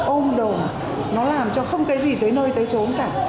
ôm đồm nó làm cho không cái gì tới nơi tới trốn cả